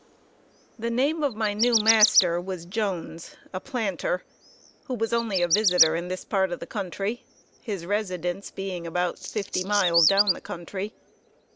The name of my new master was Jones, a planter, who was only a visiter in this part of the country; his residence being about fifty miles down the country.